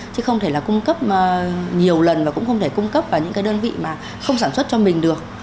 chứ không thể là cung cấp nhiều lần và cũng không thể cung cấp vào những cái đơn vị mà không sản xuất cho mình được